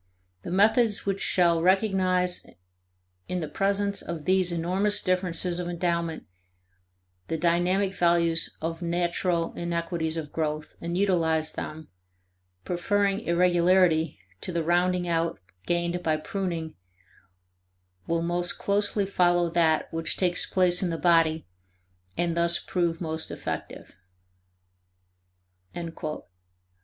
The methods which shall recognize in the presence of these enormous differences of endowment the dynamic values of natural inequalities of growth, and utilize them, preferring irregularity to the rounding out gained by pruning will most closely follow that which takes place in the body and thus prove most effective."